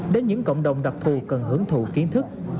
đến những cộng đồng đặc thù cần hưởng thụ kiến thức